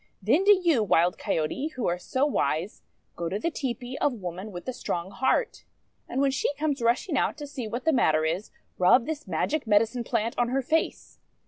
Then do you, Wild Coyote, who are so wise, go to the tepee of Woman with the Strong Heart, and, when she comes rushing out to see what the matter is, rub this magic medicine plant on her face.